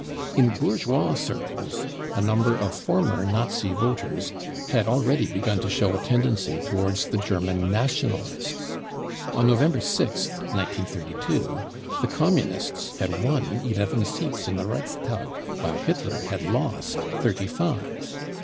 In bourgeois circles a number of former Nazi voters had already begun to show a tendency towards the German Nationalists. On November 6th, 1932, the Communists had won eleven seats in the Reichstag, while Hitler had lost thirty five.